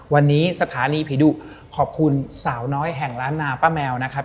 วันนี้สถานีผีดุขอบคุณสาวน้อยแห่งล้านนาป้าแมวนะครับ